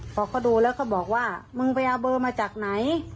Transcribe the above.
พอเขาดูแล้วก็บอกว่ามึงไปเอาเบอร์มาจากไหน